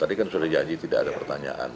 tadi kan sudah janji tidak ada pertanyaan